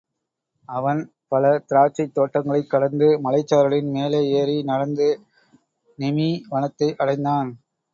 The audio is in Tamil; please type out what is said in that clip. அவன் பல திராட்சைத் தோட்டங்களைக் கடந்து, மலைச்சாரலின் மேலே ஏறி நடந்து நிமீ வனத்தை அடைந்தான்.